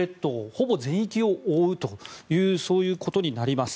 ほぼ全域を覆うというそういうことになります。